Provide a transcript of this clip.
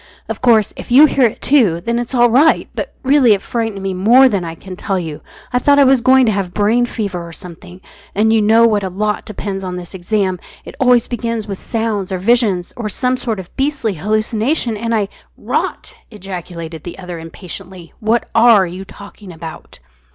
Of course, if you hear it too, then it's all right; but really it frightened me more than I can tell you. I thought I was going to have brain fever, or something, and you know what a lot depends on this exam. It always begins with sounds, or visions, or some sort of beastly hallucination, and I " "Rot!" ejaculated the other impatiently. "What are you talking about?"